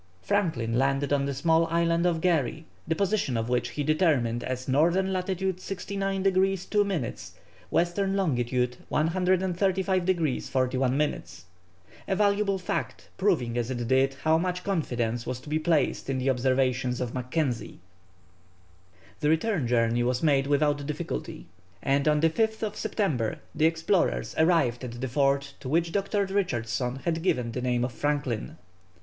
Franklin landed on the small island of Garry, the position of which he determined as N. lat. 69 degrees 2 minutes, W. long. 135 degrees 41 minutes, a valuable fact, proving as it did, how much confidence was to be placed in the observations of Mackenzie. The return journey was made without difficulty, and on the 5th September the explorers arrived at the fort to which Dr. Richardson had given the name of Franklin.